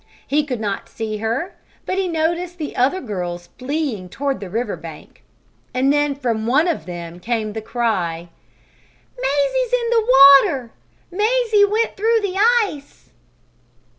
He could not see her, but he noticed the other girls fleeing toward the river bank. And then from one of them came the cry: "Mazie's in the water! Mazie went through the ice!"